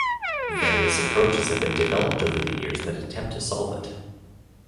Various approaches have been developed over the years that attempt to solve it.